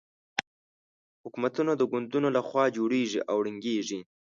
حکومتونه د ګوندونو له خوا جوړېږي او ړنګېږي.